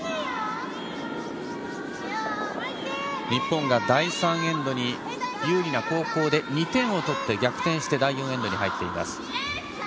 日本が第３エンドに有利な後攻で２点を取って逆転して第４エンドに入っています。